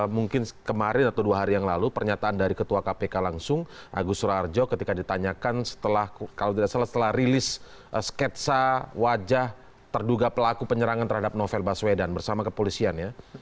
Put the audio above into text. mungkin kemarin atau dua hari yang lalu pernyataan dari ketua kpk langsung agus suraharjo ketika ditanyakan setelah rilis sketsa wajah terduga pelaku penyerangan terhadap novel baswedan bersama kepolisian